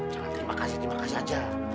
jangan terima kasih terima kasih aja